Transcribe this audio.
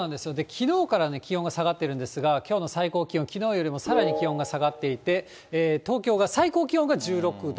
きのうからね、気温が下がってるんですが、きょうの最高気温、きのうよりもさらに気温が下がっていて、東京が最高気温が１６度。